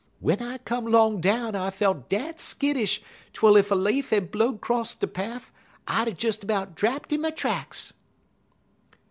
W'en I come 'long down I felt dat skittish twel ef a leaf had blow'd 'crost de paff, I'd 'a' des about drapt in my tracks."